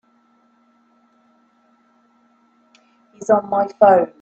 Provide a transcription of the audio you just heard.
He's on my phone.